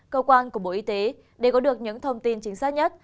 cơ quan của bộ y tế để có được những thông tin chính xác nhất